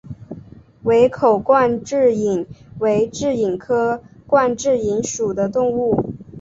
围口冠蛭蚓为蛭蚓科冠蛭蚓属的动物。